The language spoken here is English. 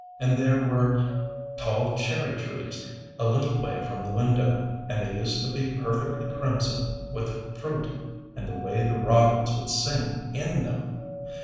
And there were tall cherry trees a little way from the window, and they used to be perfectly crimson with fruit; and the way the robins would sing in them!